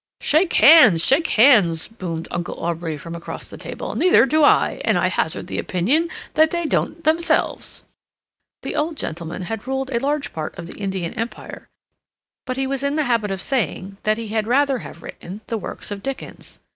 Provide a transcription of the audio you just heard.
"Shake hands! Shake hands!" boomed Uncle Aubrey from across the table. "Neither do I. And I hazard the opinion that they don't themselves." The old gentleman had ruled a large part of the Indian Empire, but he was in the habit of saying that he had rather have written the works of Dickens.